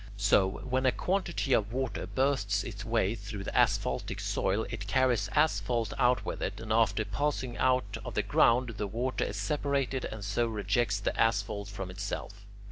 So, when a quantity of water bursts its way through the asphaltic soil, it carries asphalt out with it, and after passing out of the ground, the water is separated and so rejects the asphalt from itself.